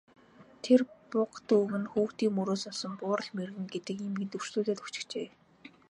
Тэр буга дүүг нь хүүхдийн мөрөөс болсон Буурал мэргэн гэдэг эмгэнд үрчлүүлээд өгчихжээ.